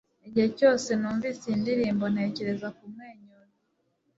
Igihe cyose numvise iyi ndirimbo, ntekereza kumwenyura